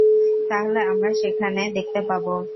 তাহলে আমরা সেখানে দেখতে পাব?